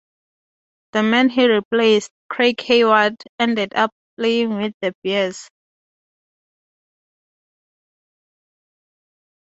The man he replaced, Craig Heyward, ended up playing with the Bears.